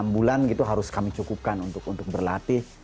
enam bulan gitu harus kami cukupkan untuk berlatih